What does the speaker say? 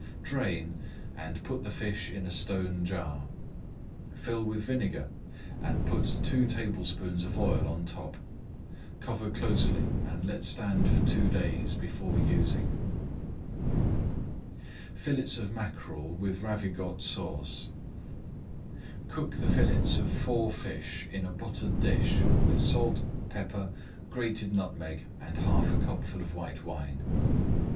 Drain, and put the fish in a stone jar. Fill with vinegar, and put two tablespoonfuls of oil on top. Cover closely and let stand for two days before using. FILLETS OF MACKEREL WITH RAVIGOTE SAUCE Cook the fillets of four fish in a buttered dish with salt, pepper, grated nutmeg, and half a cupful of white wine.